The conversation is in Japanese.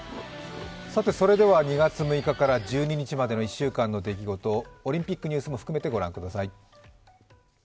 ２月６日から１２日までの１週間の出来事、オリンピックニュースも含めて御覧ください。